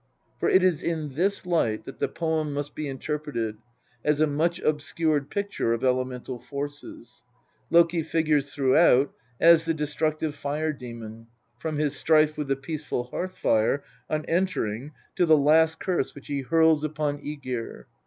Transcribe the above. For it is in this light that the poem must be interpreted as a much obscured picture of elemental forces. Loki figures through out as the destructive fire demon, from his strife with the peaceful hearth fire on entering to the last curse which he hurls upon JEgir.